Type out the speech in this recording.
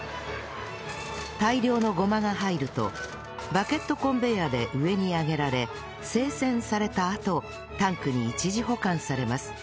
大量のごまが入るとバケットコンベヤーで上に上げられ精選されたあとタンクに一時保管されます